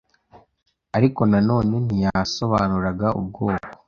ariko nanone ntiyasobanuraga ubwoko